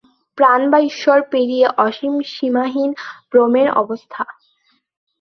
প্রাণ বা ঈশ্বর পেরিয়ে অসীম সীমাহীন ব্রহ্মের অবস্থা।